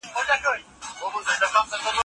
موږ په لابراتوار کې یوه خطي نسخه ولیده.